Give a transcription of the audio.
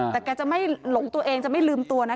แต่แกจะไม่หลงตัวเองจะไม่ลืมตัวนะ